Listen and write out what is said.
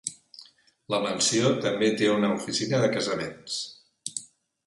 La mansió també té una oficina de casaments.